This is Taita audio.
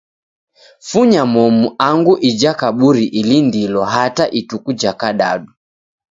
Funya momu angu ija kaburi ilindilo hata ituku ja kadadu.